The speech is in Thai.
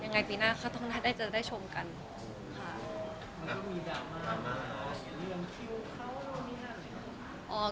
ยังไงปีหน้าเขาต้องน่าจะได้ชมกันค่ะ